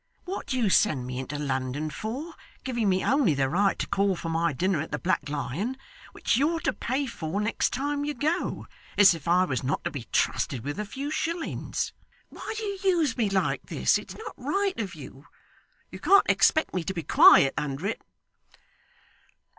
What do you send me into London for, giving me only the right to call for my dinner at the Black Lion, which you're to pay for next time you go, as if I was not to be trusted with a few shillings? Why do you use me like this? It's not right of you. You can't expect me to be quiet under it.